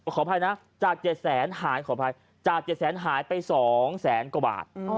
ขออภัยนะจาก๗แสนหายขออภัยจาก๗แสนหายไป๒แสนกว่าบาท